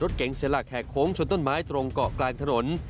เก๋งเสียหลักแหกโค้งชนต้นไม้ตรงเกาะกลางถนน